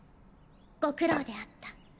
ご苦労であった。